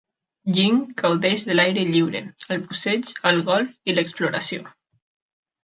Ying gaudeix de l'aire lliure, el busseig, el golf i l'exploració.